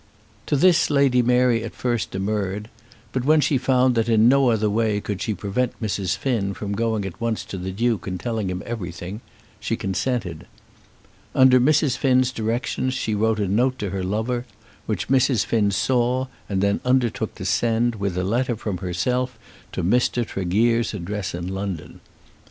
To this Lady Mary at first demurred, but when she found that in no other way could she prevent Mrs. Finn from going at once to the Duke and telling him everything, she consented. Under Mrs. Finn's directions she wrote a note to her lover, which Mrs. Finn saw, and then undertook to send it, with a letter from herself, to Mr. Tregear's address in London.